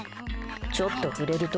ちょっと触れると。